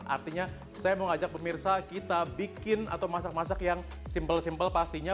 artinya saya mau ngajak pemirsa kita bikin atau masak masak yang simple simpel pastinya